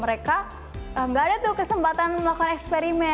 mereka nggak ada tuh kesempatan melakukan eksperimen